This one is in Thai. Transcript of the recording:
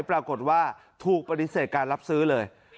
ปรากฏว่าถูกปฏิเสธการรับซื้อเลย